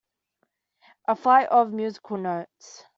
A flight of musical notes.